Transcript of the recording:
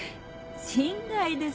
心外です